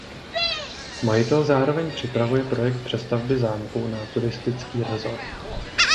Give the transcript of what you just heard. Majitel zároveň připravuje projekt přestavby zámku na turistický resort.